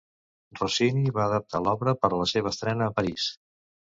Rossini va adaptar l'obra per a la seva estrena a París.